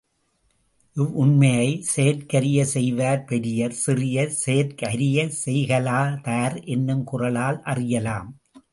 இவ்வுண்மையை, செயற்கரிய செய்வார் பெரியர் சிறியர் செயற்கரிய செய்கலா தார் என்னும் குறளால் அறியலாம்.